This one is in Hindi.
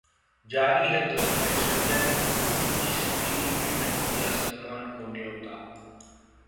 जारी है दुश्मनी, संजय ने भूमि की स्क्रीनिंग में नहीं दिया सलमान को न्योता